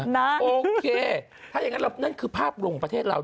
โอเคถ้าอย่างนั้นนั่นคือภาพลงประเทศเรา